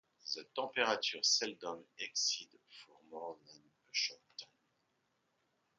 The temperature seldom exceeds for more than a short time.